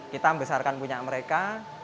kita membesarkan punya mereka